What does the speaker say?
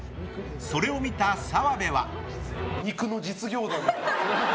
それを見た澤部は。